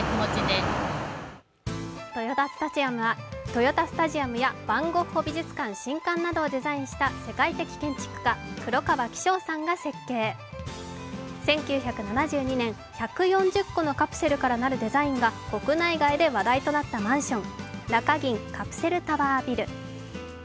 豊田スタジアムやヴァン・ゴッホ美術館新館などをデザインした世界的建築家、黒川紀章さんが設計１９７２年、１４０個のカプセルからなるデザインが国内外で話題となったマンション、中銀カプセルタワービル。